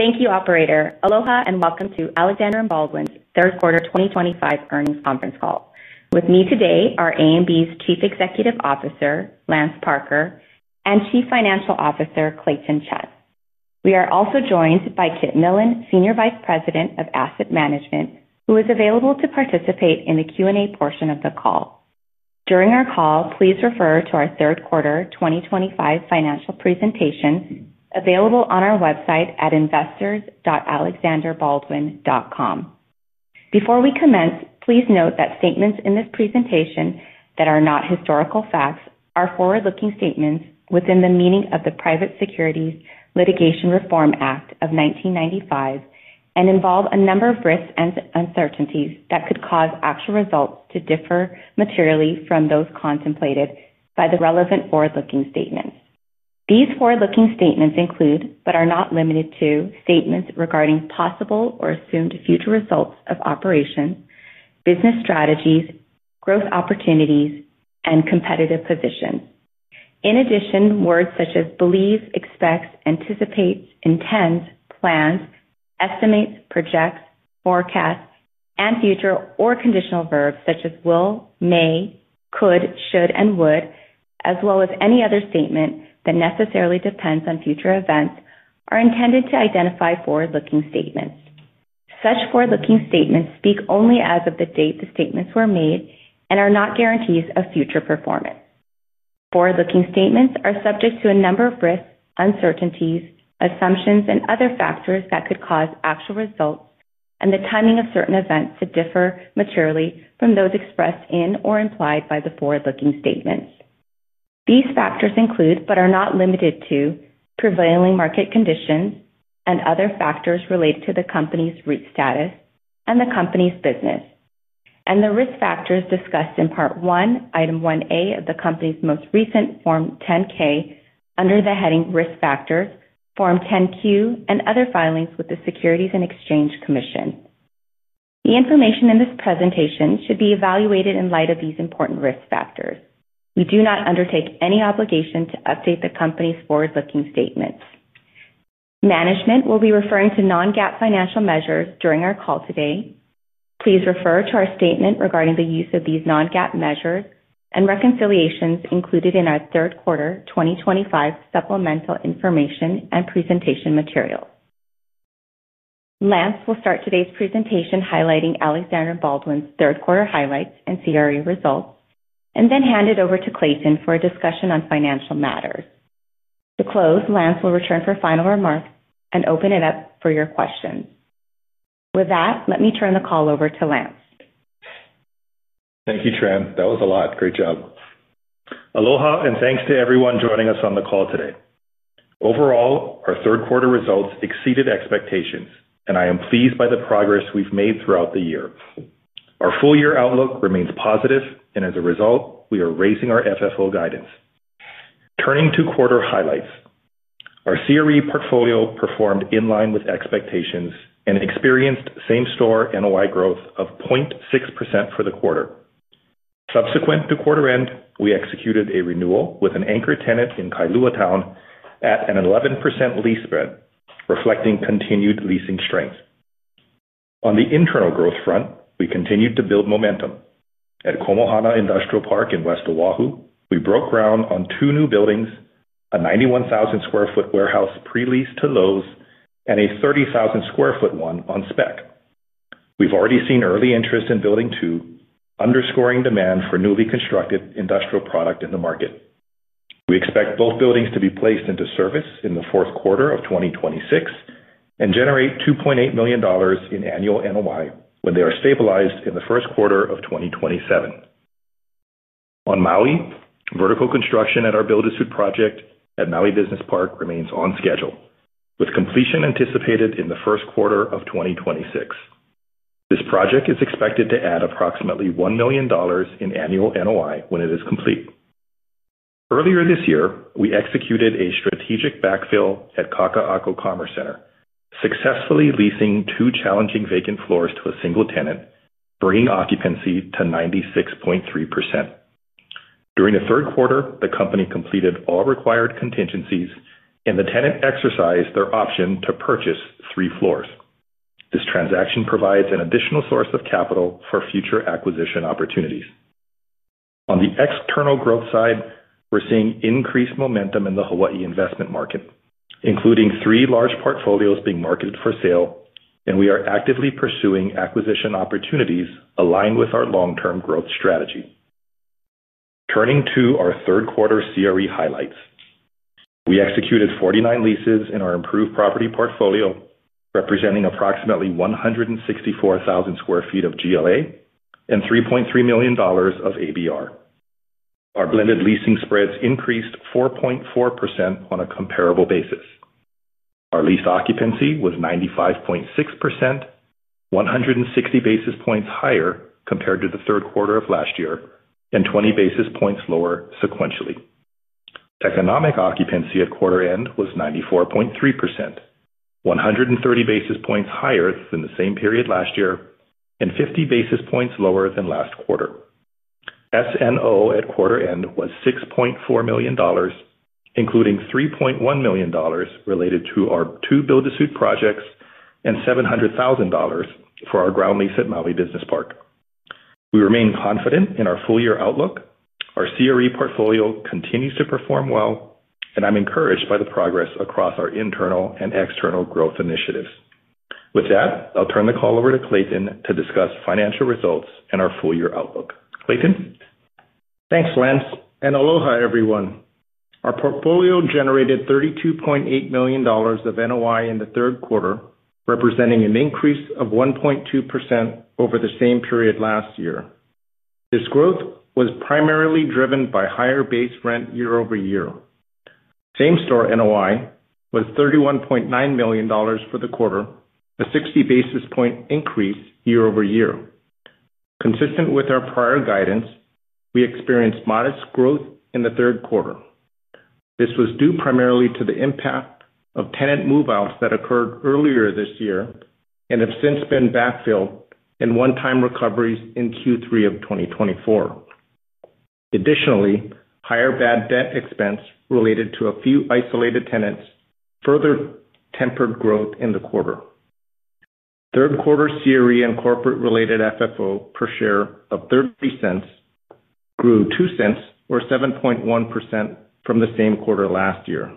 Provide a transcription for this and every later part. Thank you, Operator. Aloha and welcome to Alexander & Baldwin's Third Quarter 2025 Earnings Conference Call. With me today are A&B's Chief Executive Officer, Lance Parker, and Chief Financial Officer, Clayton Chun. We are also joined by Kit Millan, Senior Vice President of Asset Management, who is available to participate in the Q&A portion of the call. During our call, please refer to our third quarter 2025 financial presentation available on our website at investors.alexanderbaldwin.com. Before we commence, please note that statements in this presentation that are not historical facts are forward-looking statements within the meaning of the Private Securities Litigation Reform Act of 1995 and involve a number of risks and uncertainties that could cause actual results to differ materially from those contemplated by the relevant forward-looking statements. These forward-looking statements include, but are not limited to, statements regarding possible or assumed future results of operations, business strategies, growth opportunities, and competitive positions. In addition, words such as believes, expects, anticipates, intends, plans, estimates, projects, forecasts, and future or conditional verbs such as will, may, could, should, and would, as well as any other statement that necessarily depends on future events, are intended to identify forward-looking statements. Such forward-looking statements speak only as of the date the statements were made and are not guarantees of future performance. Forward-looking statements are subject to a number of risks, uncertainties, assumptions, and other factors that could cause actual results and the timing of certain events to differ materially from those expressed in or implied by the forward-looking statements. These factors include, but are not limited to, prevailing market conditions and other factors related to the company's REIT status and the company's business, and the risk factors discussed in Part I, Item 1A, of the company's most recent Form 10-K under the heading Risk Factors, Form 10-Q, and other filings with the Securities and Exchange Commission. The information in this presentation should be evaluated in light of these important risk factors. We do not undertake any obligation to update the company's forward-looking statements. Management will be referring to non-GAAP financial measures during our call today. Please refer to our statement regarding the use of these non-GAAP measures and reconciliations included in our third quarter 2025 supplemental information and presentation materials. Lance will start today's presentation highlighting Alexander & Baldwin's third quarter highlights and CRE results and then hand it over to Clayton for a discussion on financial matters. To close, Lance will return for final remarks and open it up for your questions. With that, let me turn the call over to Lance. Thank you, Tram. That was a lot. Great job. Aloha and thanks to everyone joining us on the call today. Overall, our third quarter results exceeded expectations, and I am pleased by the progress we've made throughout the year. Our full-year outlook remains positive, and as a result, we are raising our FFO guidance. Turning to quarter highlights, our CRE portfolio performed in line with expectations and experienced same-store NOI growth of 0.6% for the quarter. Subsequent to quarter end, we executed a renewal with an anchor tenant in Kailua Town at an 11% lease spread, reflecting continued leasing strength. On the internal growth front, we continued to build momentum. At Komohana Industrial Park in West Oahu, we broke ground on two new buildings, a 91,000-square-foot warehouse pre-leased to Lowe’s and a 30,000-square-foot one on spec. We've already seen early interest in Building 2, underscoring demand for newly constructed industrial product in the market. We expect both buildings to be placed into service in the fourth quarter of 2026 and generate $2.8 million in annual NOI when they are stabilized in the first quarter of 2027. On Maui, vertical construction at our project at Maui Business Park remains on schedule, with completion anticipated in the first quarter of 2026. This project is expected to add approximately $1 million in annual NOI when it is complete. Earlier this year, we executed a strategic backfill at Kaka‘ako Commerce Center, successfully leasing two challenging vacant floors to a single tenant, bringing occupancy to 96.3%. During the third quarter, the company completed all required contingencies, and the tenant exercised their option to purchase three floors. This transaction provides an additional source of capital for future acquisition opportunities. On the external growth side, we're seeing increased momentum in the Hawaii investment market, including three large portfolios being marketed for sale, and we are actively pursuing acquisition opportunities aligned with our long-term growth strategy. Turning to our third quarter CRE highlights, we executed 49 leases in our improved property portfolio, representing approximately 164,000 square feet of GLA and $3.3 million of ABR. Our blended leasing spreads increased 4.4% on a comparable basis. Our lease occupancy was 95.6%, 160 basis points higher compared to the third quarter of last year and 20 basis points lower sequentially. Economic occupancy at quarter end was 94.3%, 130 basis points higher than the same period last year and 50 basis points lower than last quarter. SNO at quarter end was $6.4 million, including $3.1 million related to our two build-to-suit projects and $700,000 for our ground lease at Maui Business Park. We remain confident in our full-year outlook. Our CRE portfolio continues to perform well, and I'm encouraged by the progress across our internal and external growth initiatives. With that, I'll turn the call over to Clayton to discuss financial results and our full-year outlook. Clayton? Thanks, Lance. And aloha, everyone. Our portfolio generated $32.8 million of NOI in the third quarter, representing an increase of 1.2% over the same period last year. This growth was primarily driven by higher base rent year over year. Same-store NOI was $31.9 million for the quarter, a 60 basis point increase year over year. Consistent with our prior guidance, we experienced modest growth in the third quarter. This was due primarily to the impact of tenant move-outs that occurred earlier this year and have since been backfilled in one-time recoveries in Q3 of 2024. Additionally, higher bad debt expense related to a few isolated tenants further tempered growth in the quarter. Third quarter CRE and corporate-related FFO per share of $0.30 grew $0.02 or 7.1% from the same quarter last year.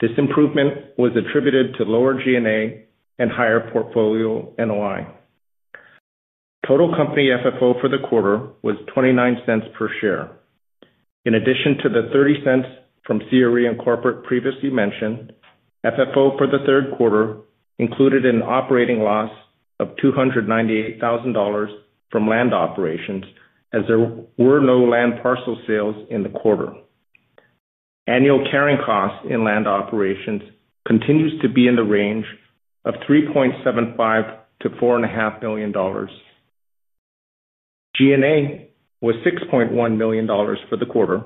This improvement was attributed to lower G&A and higher portfolio NOI. Total company FFO for the quarter was $0.29 per share. In addition to the $0.30 from CRE and corporate previously mentioned, FFO for the third quarter included an operating loss of $298,000 from land operations as there were no land parcel sales in the quarter. Annual carrying costs in land operations continues to be in the range of $3.75 million-$4.5 million. G&A was $6.1 million for the quarter,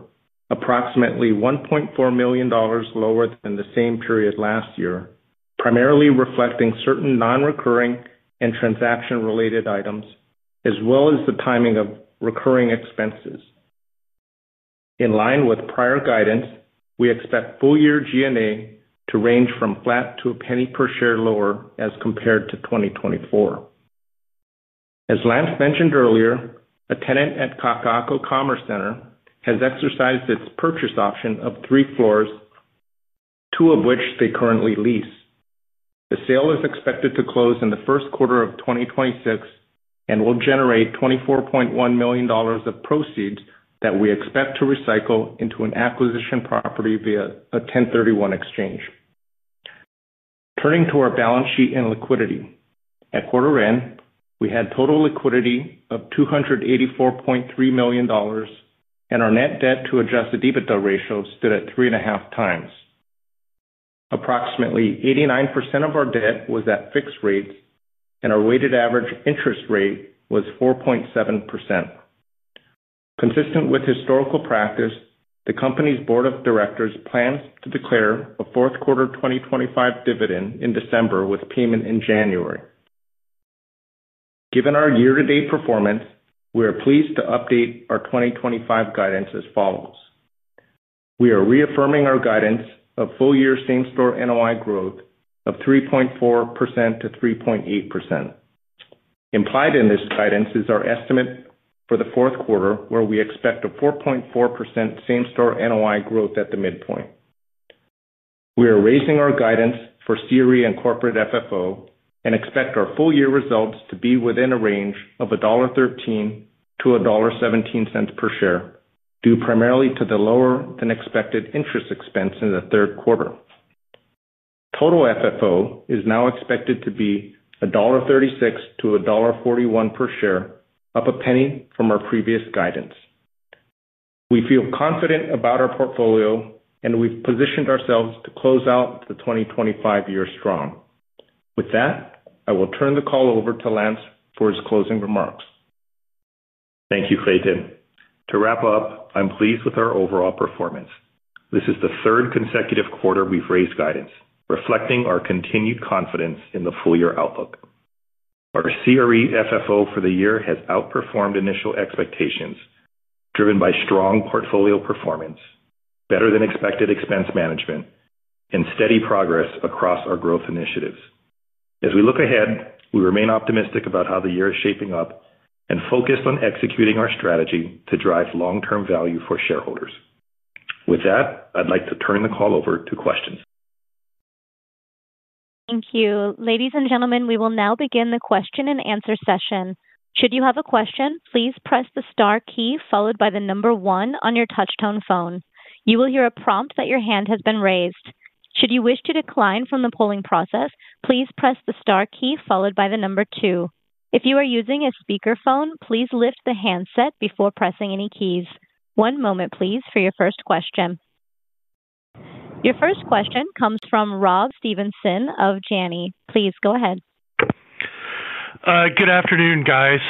approximately $1.4 million lower than the same period last year, primarily reflecting certain non-recurring and transaction-related items, as well as the timing of recurring expenses. In line with prior guidance, we expect full-year G&A to range from flat to a penny per share lower as compared to 2024. As Lance mentioned earlier, a tenant at Kaka‘ako Commerce Center has exercised its purchase option of three floors, two of which they currently lease. The sale is expected to close in the first quarter of 2026 and will generate $24.1 million of proceeds that we expect to recycle into an acquisition property via a 1031 exchange. Turning to our balance sheet and liquidity. At quarter end, we had total liquidity of $284.3 million, and our net debt to adjusted EBITDA ratio stood at 3.5 times. Approximately 89% of our debt was at fixed rates, and our weighted average interest rate was 4.7%. Consistent with historical practice, the company's Board of Directors plans to declare a fourth quarter 2025 dividend in December with payment in January. Given our year-to-date performance, we are pleased to update our 2025 guidance as follows. We are reaffirming our guidance of full-year same-store NOI growth of 3.4%-3.8%. Implied in this guidance is our estimate for the fourth quarter, where we expect a 4.4% same-store NOI growth at the midpoint. We are raising our guidance for CRE and corporate FFO and expect our full-year results to be within a range of $1.13-$1.17 per share, due primarily to the lower-than-expected interest expense in the third quarter. Total FFO is now expected to be $1.36-$1.41 per share, up a penny from our previous guidance. We feel confident about our portfolio, and we've positioned ourselves to close out the 2025 year strong. With that, I will turn the call over to Lance for his closing remarks. Thank you, Clayton. To wrap up, I'm pleased with our overall performance. This is the third consecutive quarter we've raised guidance, reflecting our continued confidence in the full-year outlook. Our CRE FFO for the year has outperformed initial expectations, driven by strong portfolio performance, better-than-expected expense management, and steady progress across our growth initiatives. As we look ahead, we remain optimistic about how the year is shaping up and focused on executing our strategy to drive long-term value for shareholders. With that, I'd like to turn the call over to questions. Thank you. Ladies and gentlemen, we will now begin the question-and-answer session. Should you have a question, please press the star key followed by the number one on your touch-tone phone. You will hear a prompt that your hand has been raised. Should you wish to decline from the polling process, please press the star key followed by the number two. If you are using a speakerphone, please lift the handset before pressing any keys. One moment, please, for your first question. Your first question comes from Rob Stevenson of Janney. Please go ahead. Good afternoon, guys.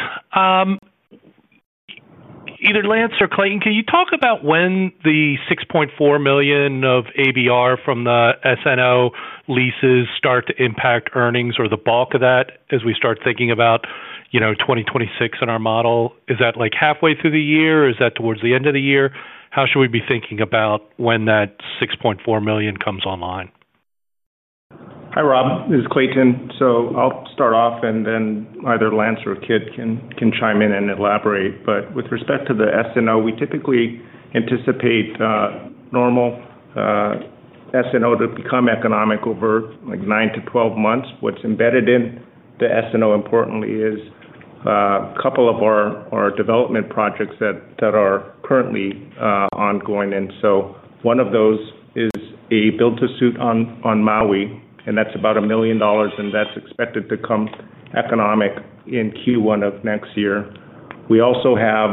Either Lance or Clayton, can you talk about when the $6.4 million of ABR from the SNO leases start to impact earnings or the bulk of that as we start thinking about 2026 in our model? Is that halfway through the year, or is that towards the end of the year? How should we be thinking about when that $6.4 million comes online? Hi, Rob. This is Clayton. I'll start off, and then either Lance or Kit can chime in and elaborate. With respect to the SNO, we typically anticipate normal SNO to become economic over 9 months-12 months. What's embedded in the SNO, importantly, is a couple of our development projects that are currently ongoing. One of those is a build-to-suit on Maui, and that's about $1 million, and that's expected to become economic in Q1 of next year. We also have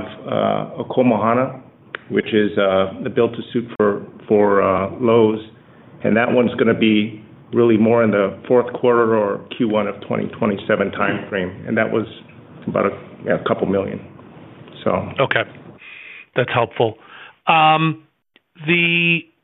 a Komohana, which is a build-to-suit for Lowe’s, and that one's going to be really more in the fourth quarter or Q1 of 2027 timeframe. That one is about a couple million, so. Okay. That's helpful.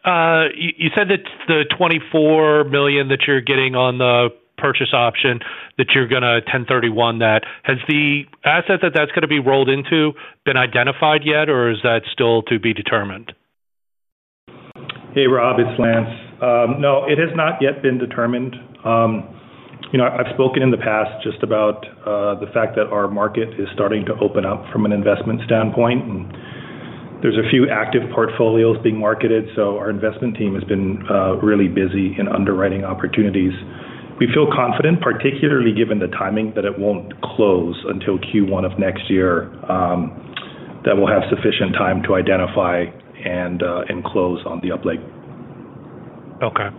You said that the $24 million that you're getting on the purchase option that you're going to 1031 that. Has the asset that that's going to be rolled into been identified yet, or is that still to be determined? Hey, Rob, it's Lance. No, it has not yet been determined. I've spoken in the past just about the fact that our market is starting to open up from an investment standpoint, and there's a few active portfolios being marketed. Our investment team has been really busy in underwriting opportunities. We feel confident, particularly given the timing, that it won't close until Q1 of next year. We'll have sufficient time to identify and close on the upleg. Okay.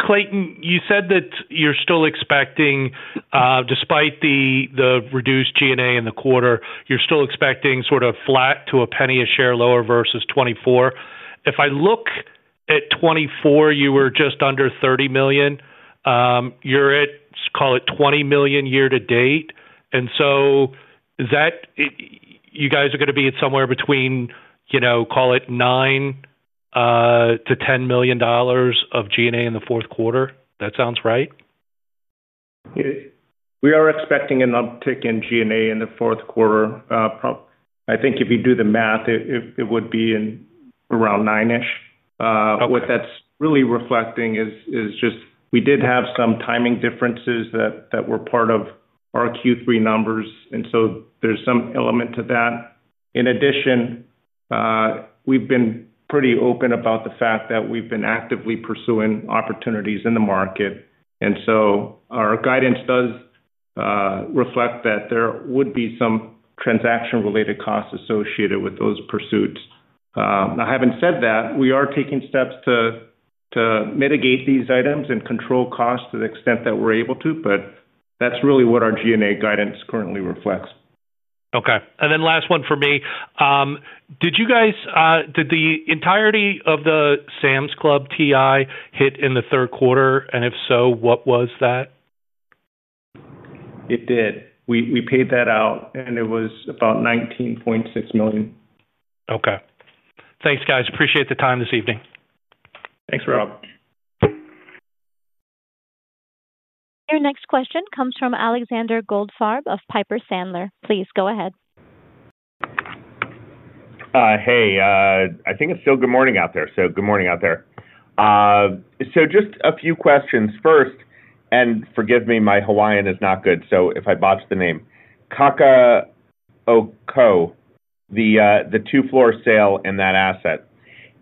Clayton, you said that you're still expecting, despite the reduced G&A in the quarter, you're still expecting sort of flat to a penny a share lower versus 2024. If I look at 2024, you were just under $30 million. You're at, call it, $20 million year to date. You guys are going to be at somewhere between, call it, $9 million-$10 million of G&A in the fourth quarter. That sounds right? Yeah. We are expecting an uptick in G&A in the fourth quarter. I think if you do the math, it would be around $9 milloin-ish. What that's really reflecting is just we did have some timing differences that were part of our Q3 numbers, and so there's some element to that. In addition, we've been pretty open about the fact that we've been actively pursuing opportunities in the market. Our guidance does reflect that there would be some transaction-related costs associated with those pursuits. Now, having said that, we are taking steps to mitigate these items and control costs to the extent that we're able to, but that's really what our G&A guidance currently reflects. Okay. Last one for me. Did you guys, did the entirety of the Sam's Club TI hit in the third quarter? If so, what was that? It did. We paid that out, and it was about $19.6 million. Okay, thanks, guys. Appreciate the time this evening. Thanks, Rob. Your next question comes from Alexander Goldfarb of Piper Sandler. Please go ahead. Hey. I think it's still good morning out there, so good morning out there. Just a few questions. First, and forgive me, my Hawaiian is not good, so if I botch the name, Kaka‘ako, the two-floor sale in that asset.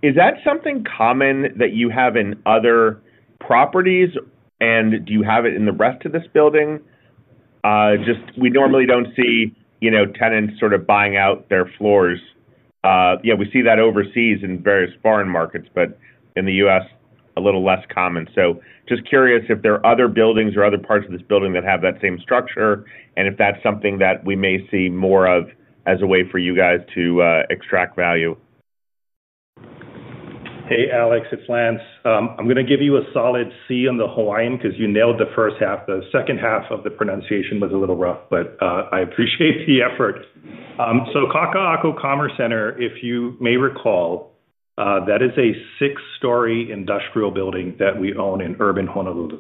Is that something common that you have in other properties, and do you have it in the rest of this building? We normally don't see tenants sort of buying out their floors. We see that overseas in various foreign markets, but in the U.S., a little less common. Just curious if there are other buildings or other parts of this building that have that same structure and if that's something that we may see more of as a way for you guys to extract value. Hey, Alex, it's Lance. I'm going to give you a solid C on the Hawaiian because you nailed the first half. The second half of the pronunciation was a little rough, but I appreciate the effort. Kaka‘ako Commerce Center, if you may recall, is a six-story industrial building that we own in urban Honolulu.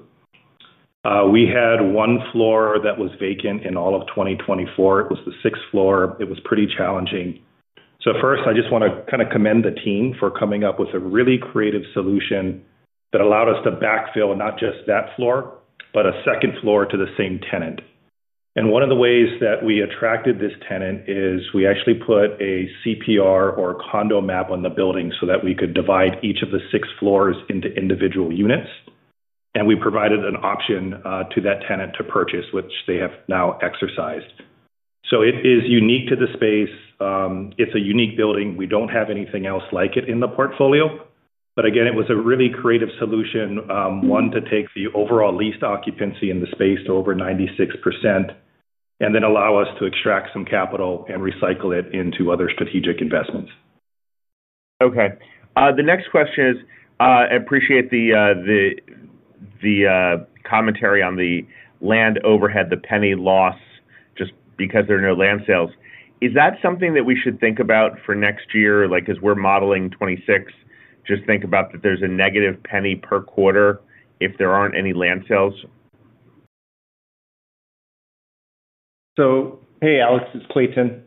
We had one floor that was vacant in all of 2024. It was the sixth floor. It was pretty challenging. I just want to commend the team for coming up with a really creative solution that allowed us to backfill not just that floor, but a second floor to the same tenant. One of the ways that we attracted this tenant is we actually put a CPR or condo map on the building so that we could divide each of the six floors into individual units. We provided an option to that tenant to purchase, which they have now exercised. It is unique to the space. It's a unique building. We don't have anything else like it in the portfolio. It was a really creative solution, one, to take the overall leased occupancy in the space to over 96% and allow us to extract some capital and recycle it into other strategic investments. Okay. The next question is, I appreciate the commentary on the land overhead, the penny loss, just because there are no land sales. Is that something that we should think about for next year? As we're modeling 2026, just think about that there's a -$0.01 per quarter if there aren't any land sales. Alex, it's Clayton.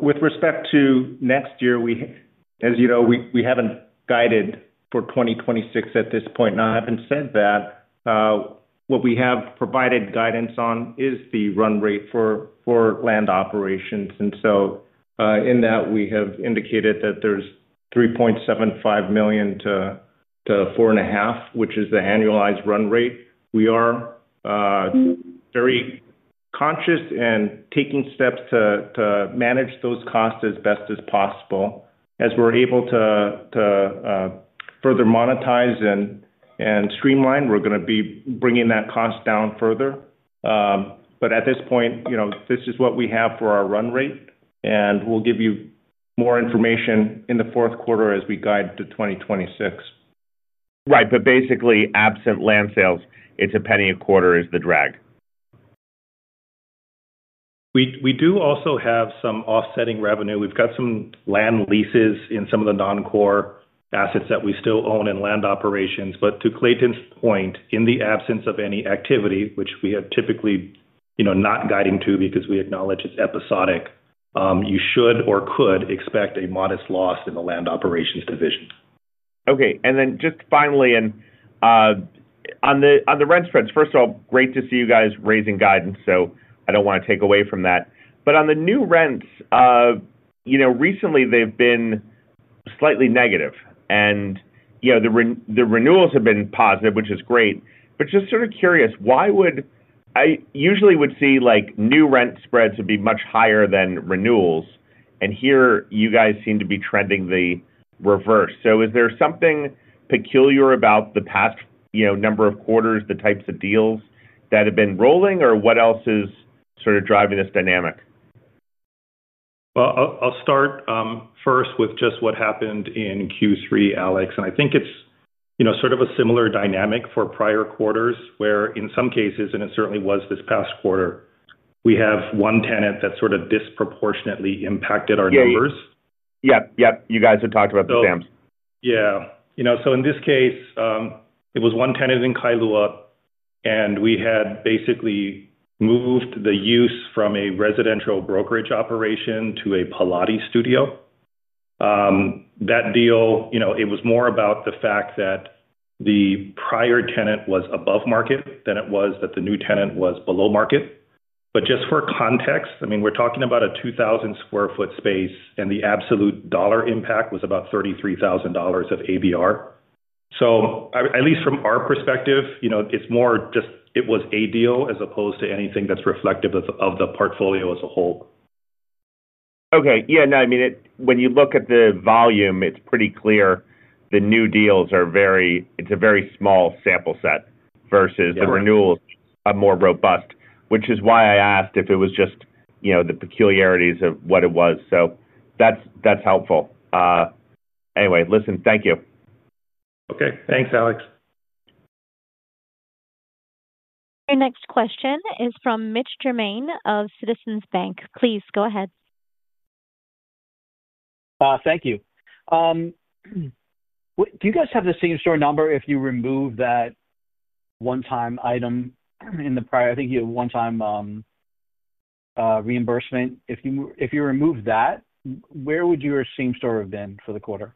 With respect to next year, as you know, we haven't guided for 2026 at this point. What we have provided guidance on is the run rate for land operations. In that, we have indicated that there's $3.75 million-$4.5 million, which is the annualized run rate. We are very conscious and taking steps to manage those costs as best as possible. As we're able to further monetize and streamline, we're going to be bringing that cost down further. At this point, this is what we have for our run rate. We'll give you more information in the fourth quarter as we guide to 2026. Right. Basically, absent land sales, it's a penny a quarter is the drag. We do also have some offsetting revenue. We've got some land leases in some of the non-core assets that we still own in Land Operations. To Clayton's point, in the absence of any activity, which we have typically not guided to because we acknowledge it's episodic, you should or could expect a modest loss in the Land Operations division. Okay. Finally, on the rent spreads, first of all, great to see you guys raising guidance, so I don't want to take away from that. On the new rents, recently they've been slightly negative. The renewals have been positive, which is great. I'm just sort of curious, why would I usually see new rent spreads to be much higher than renewals, and here you guys seem to be trending the reverse. Is there something peculiar about the past number of quarters, the types of deals that have been rolling, or what else is sort of driving this dynamic? I'll start first with just what happened in Q3, Alex. I think it's sort of a similar dynamic for prior quarters where, in some cases, and it certainly was this past quarter, we have one tenant that sort of disproportionately impacted our numbers. Yeah, you guys have talked about the Sam's. Yeah. In this case, it was one tenant in Kailua, and we had basically moved the use from a residential brokerage operation to a Pilates studio. That deal was more about the fact that the prior tenant was above market than it was that the new tenant was below market. Just for context, we're talking about a 2,000 square foot space, and the absolute dollar impact was about $33,000 of ABR. At least from our perspective, it was more just a deal as opposed to anything that's reflective of the portfolio as a whole. Okay. Yeah. No, I mean, when you look at the volume, it's pretty clear the new deals are very, it's a very small sample set versus the renewals are more robust, which is why I asked if it was just the peculiarities of what it was. That's helpful. Anyway, listen, thank you. Okay, thanks, Alex. Your next question is from Mitch Germain of Citizens Bank. Please go ahead. Thank you. Do you guys have the same-store number if you remove that one-time item in the prior? I think you have one-time reimbursement. If you remove that, where would your same-store have been for the quarter?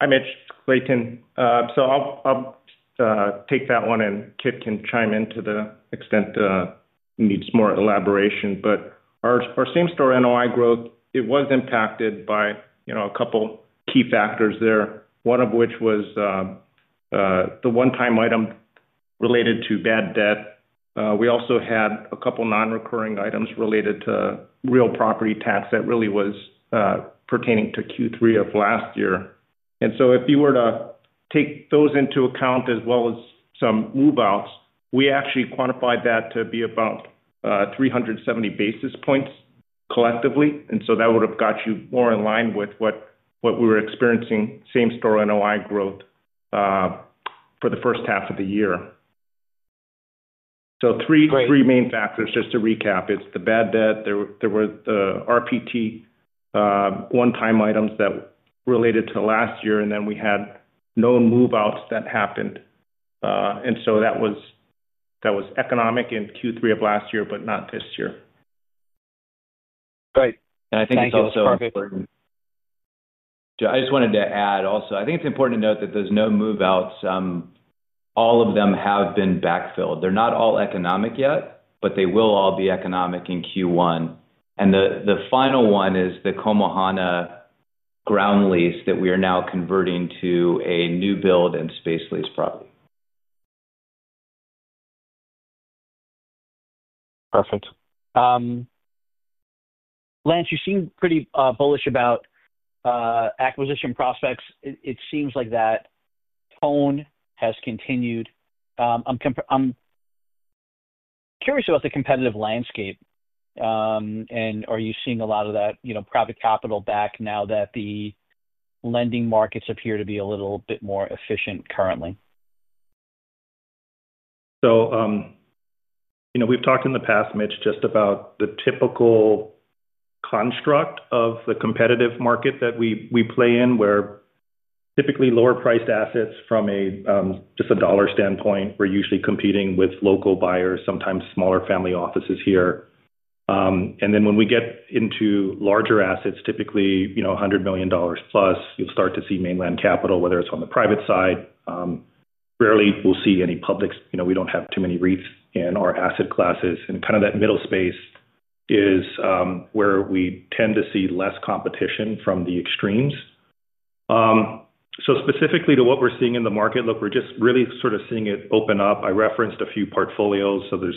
Hi, Mitch. Clayton. I'll take that one, and Kit can chime in to the extent it needs more elaboration. Our same-store NOI growth was impacted by a couple key factors, one of which was the one-time item related to bad debt. We also had a couple non-recurring items related to real property tax that really pertained to Q3 of last year. If you were to take those into account, as well as some move-outs, we actually quantified that to be about 370 basis points collectively. That would have got you more in line with what we were experiencing, same-store NOI growth for the first half of the year. Three main factors, just to recap: it's the bad debt, there were the real property tax one-time items that related to last year, and then we had known move-outs that happened. That was economic in Q3 of last year, but not this year. Right. I think that's perfect. Thank you. I just wanted to add also, I think it's important to note that those known move-outs, all of them have been backfilled. They're not all economic yet, but they will all be economic in Q1. The final one is the Komohana ground lease that we are now converting to a new build and space lease property. Perfect. Lance, you seem pretty bullish about acquisition prospects. It seems like that tone has continued. I'm curious about the competitive landscape. Are you seeing a lot of that private capital back now that the lending markets appear to be a little bit more efficient currently? We've talked in the past, Mitch, just about the typical construct of the competitive market that we play in, where typically lower-priced assets from just a dollar standpoint, we're usually competing with local buyers, sometimes smaller family offices here. When we get into larger assets, typically $100 million+, you'll start to see mainland capital, whether it's on the private side. Rarely we'll see any public. We don't have too many REITs in our asset classes. That middle space is where we tend to see less competition from the extremes. Specifically to what we're seeing in the market, look, we're just really sort of seeing it open up. I referenced a few portfolios. There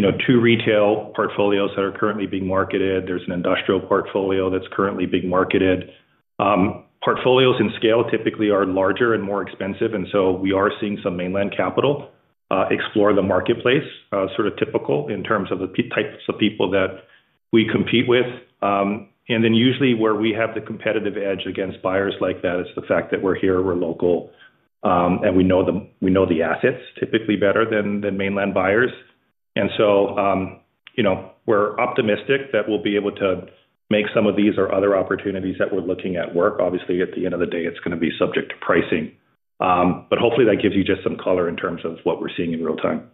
are two retail portfolios that are currently being marketed. There's an industrial portfolio that's currently being marketed. Portfolios in scale typically are larger and more expensive. We are seeing some mainland capital explore the marketplace, sort of typical in terms of the types of people that we compete with. Usually where we have the competitive edge against buyers like that is the fact that we're here, we're local, and we know the assets typically better than mainland buyers. We're optimistic that we'll be able to make some of these or other opportunities that we're looking at work. Obviously, at the end of the day, it's going to be subject to pricing. Hopefully, that gives you just some color in terms of what we're seeing in real time.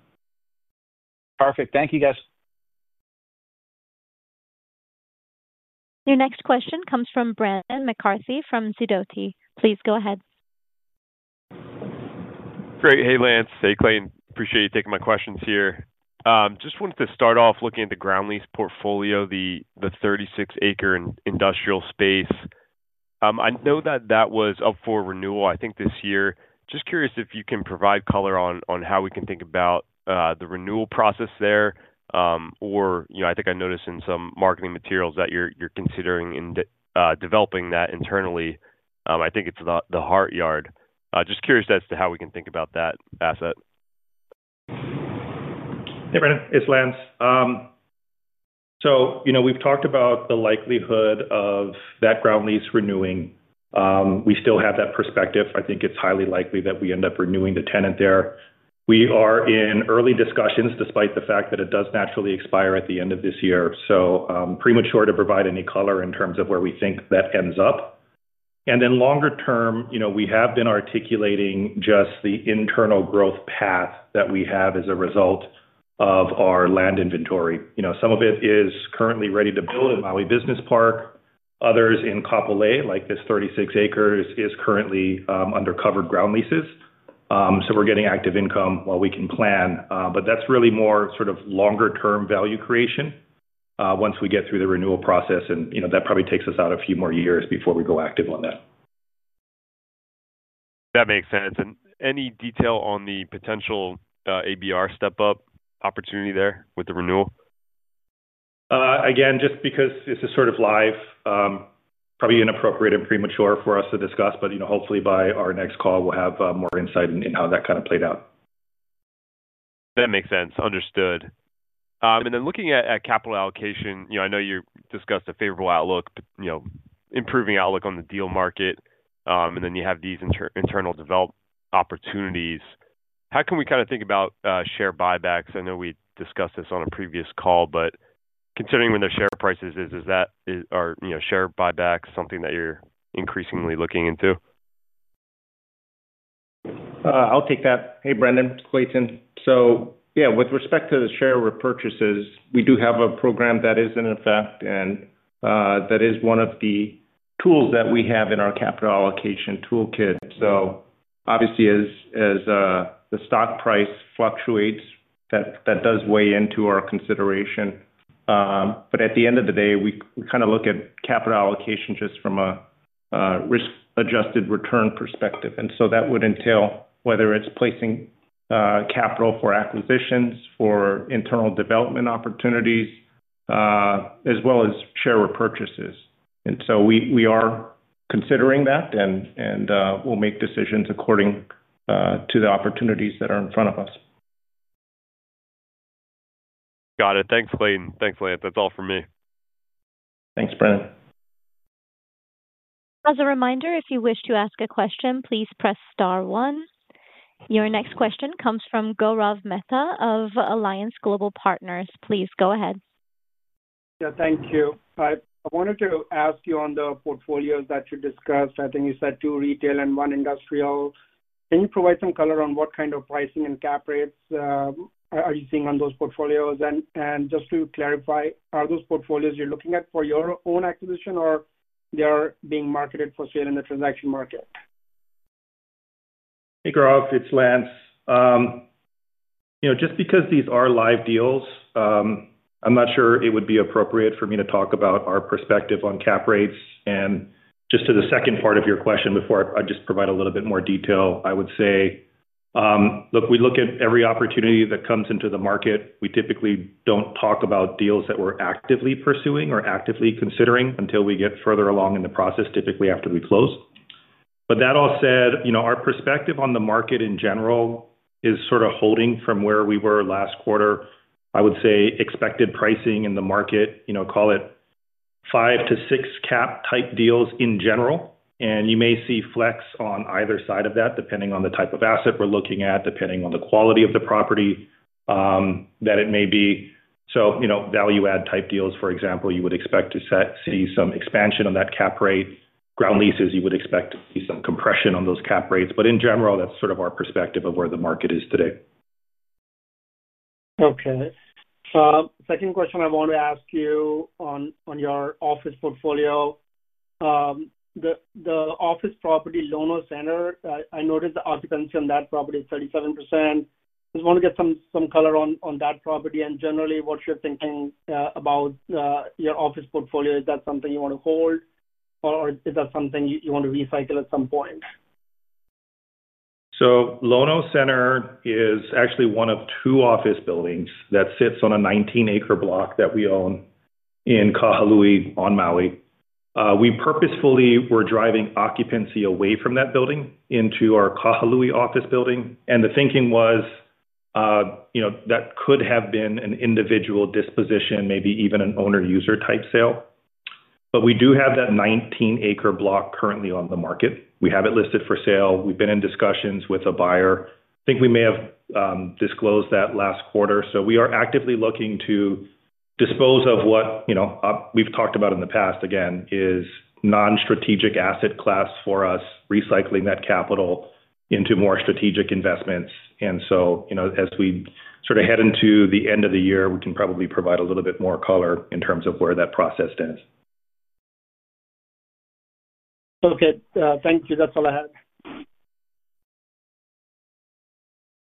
Perfect. Thank you, guys. Your next question comes from Brendan McCarthy from Sidoti. Please go ahead. Great. Hey, Lance. Hey, Clay. Appreciate you taking my questions here. Just wanted to start off looking at the ground lease portfolio, the 36-acre industrial space. I know that that was up for renewal, I think, this year. Just curious if you can provide color on how we can think about the renewal process there. I think I noticed in some marketing materials that you're considering developing that internally. I think it's the heartyard. Just curious as to how we can think about that asset. Hey, Brendan. It's Lance. We've talked about the likelihood of that ground lease renewing. We still have that perspective. I think it's highly likely that we end up renewing the tenant there. We are in early discussions despite the fact that it does naturally expire at the end of this year. It's premature to provide any color in terms of where we think that ends up. Longer term, we have been articulating just the internal growth path that we have as a result of our land inventory. Some of it is currently ready to build in Maui Business Park. Others in Kapolei, like this 36 acres, is currently under covered ground leases. We're getting active income while we can plan. That's really more sort of longer-term value creation once we get through the renewal process. That probably takes us out a few more years before we go active on that. That makes sense. Any detail on the potential ABR step-up opportunity there with the renewal? Just because this is sort of live, probably inappropriate and premature for us to discuss, but hopefully by our next call, we'll have more insight in how that kind of played out. That makes sense. Understood. Looking at capital allocation, I know you discussed a favorable outlook, improving outlook on the deal market. You have these internal development opportunities. How can we kind of think about share buybacks? I know we discussed this on a previous call, but considering where their share prices are, are share buybacks something that you're increasingly looking into? I'll take that. Hey, Brendan, Clayton. With respect to the share repurchases, we do have a program that is in effect and that is one of the tools that we have in our capital allocation toolkit. Obviously, as the stock price fluctuates, that does weigh into our consideration. At the end of the day, we kind of look at capital allocation just from a risk-adjusted return perspective. That would entail whether it's placing capital for acquisitions, for internal development opportunities, as well as share repurchases. We are considering that, and we'll make decisions according to the opportunities that are in front of us. Got it. Thanks, Clayton. Thanks, Lance. That's all for me. Thanks, Brandon. As a reminder, if you wish to ask a question, please press star one. Your next question comes from Gaurav Mehta of Alliance Global Partners. Please go ahead. Thank you. I wanted to ask you on the portfolios that you discussed. I think you said two retail and one industrial. Can you provide some color on what kind of pricing and cap rates you are seeing on those portfolios? Just to clarify, are those portfolios you are looking at for your own acquisition, or are they being marketed for sale in the transaction market? Hey, Gaurav. It's Lance. Just because these are live deals, I'm not sure it would be appropriate for me to talk about our perspective on cap rates. To the second part of your question, before I provide a little bit more detail, I would say, look, we look at every opportunity that comes into the market. We typically don't talk about deals that we're actively pursuing or actively considering until we get further along in the process, typically after we close. That all said, our perspective on the market in general is sort of holding from where we were last quarter. I would say expected pricing in the market, call it 5%-6% cap type deals in general. You may see flex on either side of that, depending on the type of asset we're looking at, depending on the quality of the property that it may be. Value-add type deals, for example, you would expect to see some expansion on that cap rate. Ground leases, you would expect to see some compression on those cap rates. In general, that's sort of our perspective of where the market is today. Okay. Second question I want to ask you on your office portfolio. The office property Lono Center, I noticed the occupancy on that property is 37%. I just want to get some color on that property. Generally, what you're thinking about your office portfolio, is that something you want to hold or is that something you want to recycle at some point? Lono Center is actually one of two office buildings that sits on a 19-acre block that we own in Kahului on Maui. We purposefully were driving occupancy away from that building into our Kahului office building. The thinking was that could have been an individual disposition, maybe even an owner-user type sale. We do have that 19-acre block currently on the market. We have it listed for sale. We've been in discussions with a buyer. I think we may have disclosed that last quarter. We are actively looking to dispose of what we've talked about in the past, again, as non-strategic asset class for us, recycling that capital into more strategic investments. As we sort of head into the end of the year, we can probably provide a little bit more color in terms of where that process stands. Okay, thank you. That's all I had.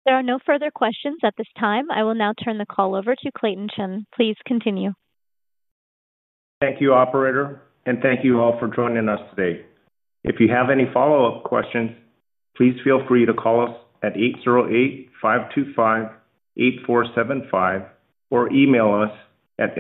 There are no further questions at this time. I will now turn the call over to Clayton Chun. Please continue. Thank you, operator. Thank you all for joining us today. If you have any follow-up questions, please feel free to call us at 808-525-8475 or email us.